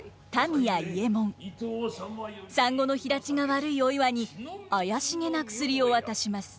産後の肥立ちが悪いお岩に怪しげな薬を渡します。